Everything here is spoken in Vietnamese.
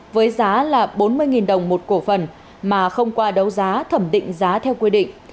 với giá là bốn mươi đồng một cổ phần mà không qua đấu giá thẩm định giá theo quy định